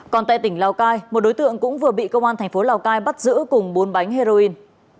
còn tại tỉnh lào cai một đối tượng cũng vừa bị công an thành phố lào cai bắt giữ cùng bốn bánh heroin